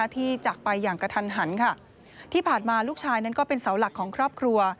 จากไปอย่างกระทันหันค่ะที่ผ่านมาลูกชายนั้นก็เป็นเสาหลักของครอบครัว